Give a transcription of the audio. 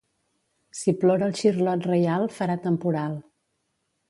Si plora el xirlot reial, farà temporal.